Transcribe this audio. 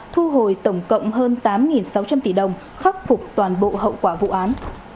thu hồi tổng cộng hơn tám sáu trăm linh tỷ đồng khắc phục toàn bộ hậu quả vụ án